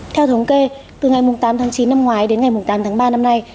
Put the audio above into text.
theo thống kê từ ngày tám tháng chín năm ngoái đến ngày tám tháng ba năm nay